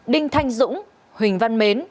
đinh thanh dũng huỳnh văn mến